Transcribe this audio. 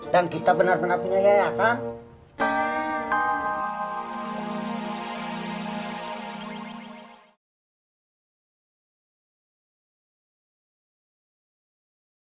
dan kita benar benar punya yayasan